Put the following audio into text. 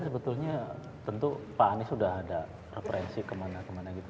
sebetulnya tentu pak anies sudah ada referensi kemana kemana gitu